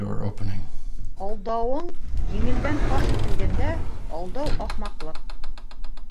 Алдауың еңелдән фаш ителгәндә, алдау ахмаҡлыҡ!